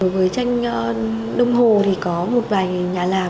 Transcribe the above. với tranh đông hồ thì có một vài nhà làm